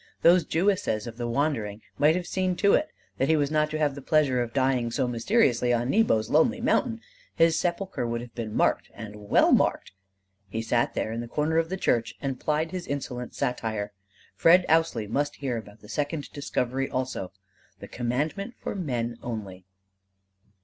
Those Jewesses of the Wandering might have seen to it that he was not to have the pleasure of dying so mysteriously on Nebo's lonely mountain: his sepulchre would have been marked and well marked. He sat there in the corner of the church, and plied his insolent satire. Fred Ousley must hear about the second discovery also the Commandment for men only.